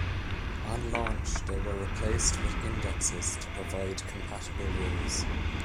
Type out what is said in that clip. On launch they were replaced with Indexes to provide compatible rules.